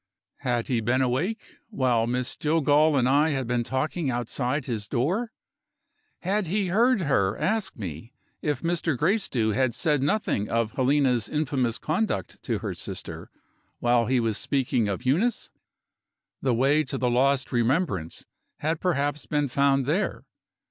Had he been awake, while Miss Jillgall and I had been talking outside his door? Had he heard her ask me if Mr. Gracedieu had said nothing of Helena's infamous conduct to her sister, while he was speaking of Eunice? The way to the lost remembrance had perhaps been found there.